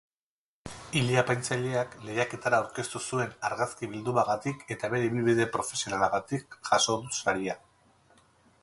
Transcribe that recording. Ile-apaintzaileak lehiaketara aurkeztu zuen argazki bildumagatik eta bere ibilbide profesionalagatik jaso du saria.